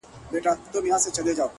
• لوڅ لپړ توره تر ملا شمله یې جګه,